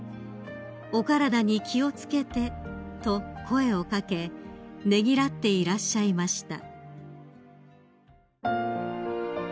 「お体に気を付けて」と声を掛けねぎらっていらっしゃいました］